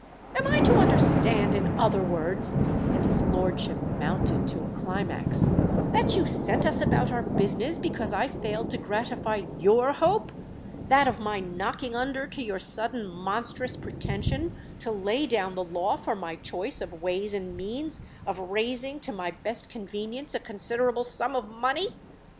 Am I to understand, in other words,"—and his lordship mounted to a climax—"that you sent us about our business because I failed to gratify your hope: that of my knocking under to your sudden monstrous pretension to lay down the law for my choice of ways and means of raising, to my best convenience, a considerable sum of money?